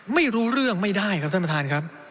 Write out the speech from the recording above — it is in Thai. ไม่รู้เรื่องไม่ได้ครับท่านประธานครับ